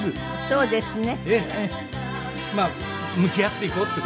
そうですね。